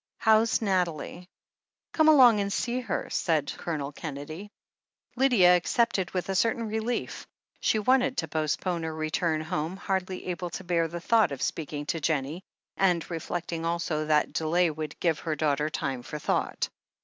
"How's Nathalie?" "Come along and see her," said Colonel Kennedy. Lydia accepted with a certain relief. She wanted to postpone her return home, hardly able to bear the thought of speaking to Jennie, and reflecting also that delay would give her daughter time for thought.